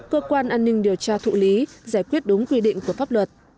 cơ quan an ninh điều tra thụ lý giải quyết đúng quy định của pháp luật